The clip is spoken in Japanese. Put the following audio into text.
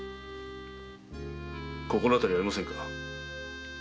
心当たりはありませんか？